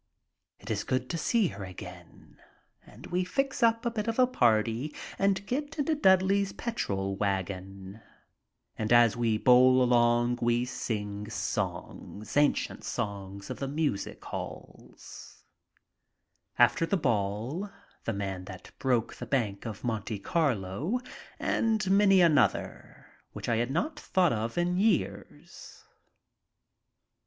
no MY TRIP ABROAD It is good to see her again and we fix up a bit of a party and get into Dudley's petrol wagon, and as we bowl along we sing songs, ancient songs of the music halls, "After the Ball," "The Man that Broke the Bank of Monte Carlo," and many another which I had not thought of in years.